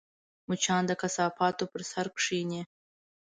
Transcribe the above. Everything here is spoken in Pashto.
مچان د کثافاتو پر سر کښېني